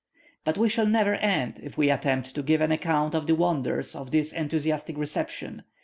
But we shall never end, if we attempt to give an account of the wonders of this enthusiastic reception.